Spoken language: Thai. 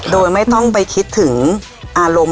โดยไม่ต้องไปคิดถึงอารมณ์